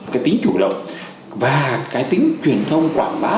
cái tính chủ động và cái tính truyền thông quảng bá